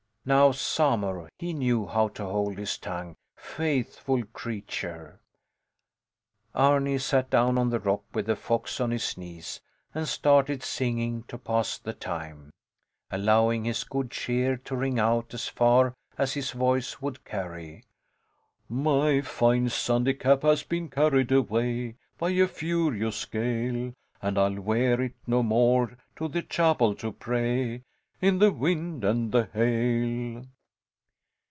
Now Samur, he knew how to hold his tongue, faithful creature! Arni sat down on the rock, with the fox on his knees, and started singing to pass the time, allowing his good cheer to ring out as far as his voice would carry: My fine Sunday cap has been carried away By a furious gale; And I'll wear it no more to the chapel to pray In the wind and the hail.